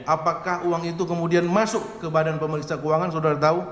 apakah uang itu kemudian masuk ke badan pemeriksa keuangan saudara tahu